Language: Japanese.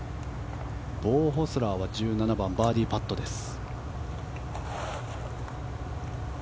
ボウ・ホスラーは１７番、バーディーパットです。